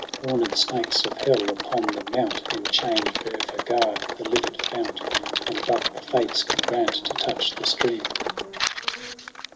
The homed snakes of hell, upon the mount Enchain'd, for ever guard the livid fount : And but the Fates can grant to touch the stream.'